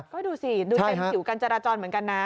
ก็ดูสิดูเป็นสิ่งที่อยู่กันจราจรเหมือนกันนะ